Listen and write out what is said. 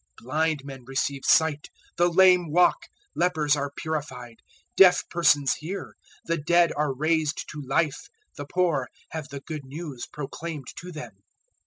Blind men receive sight, the lame walk, lepers are purified, deaf persons hear, the dead are raised to life, the poor have the Good News proclaimed to them.